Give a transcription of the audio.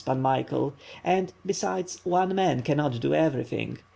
Pan Michael; and, besides, one man cannot do every thing.